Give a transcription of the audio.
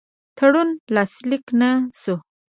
تړون لاسلیک نه سو.